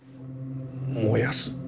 燃やす？